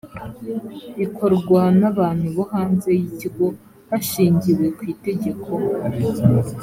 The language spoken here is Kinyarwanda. ikorwa n abantu bo hanze y ikigo hashingiwe ku itegeko